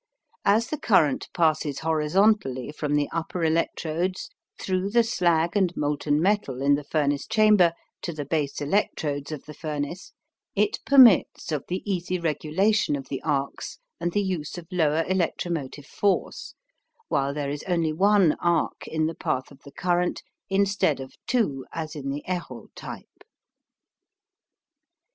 As the current passes horizontally from the upper electrodes through the slag and molten metal in the furnace chamber to the base electrodes of the furnace, it permits of the easy regulation of the arcs and the use of lower electromotive force, while there is only one arc in the path of the current instead of two as in the Heroult type.